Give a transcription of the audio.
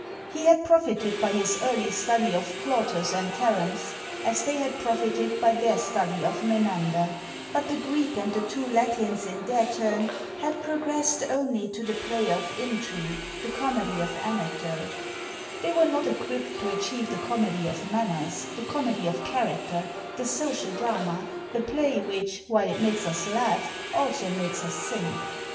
He had profited by his early study of Plautus and Terence, as they had profited by their study of Menander; but the Greek and the two Latins in their turn, had progressed only to the play of intrigue, the comedy of anecdote; not equipt to achieve the comedy of manners, the comedy of character, the social drama, the play which while it makes us laugh also makes us think.